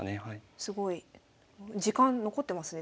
すごい。時間残ってますね